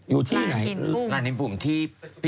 อยู่ที่ไหนในปุ่มที่